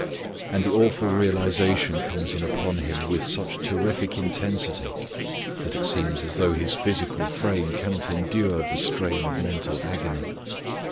And the awful realization comes in upon Him with such terrific intensity that it seems as though His physical frame cannot endure the strain of mental agony.